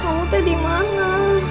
kamu tuh dimana